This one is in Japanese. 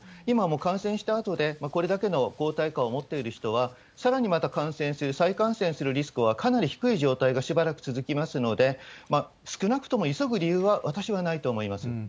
今はもう感染したあとで、これだけの抗体価を持っている人は、さらにまた感染する、再感染するリスクはかなり低い状態がしばらく続きますので、少なくとも急ぐ理由は、私はないと思います。